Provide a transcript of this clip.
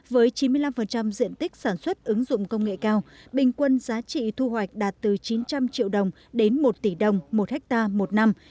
với chín mươi năm diện tích sản xuất ứng dụng công nghệ cao bình quân giá trị thu hoạch đạt từ chín trăm linh triệu đồng đến một tỷ đồng một hectare một năm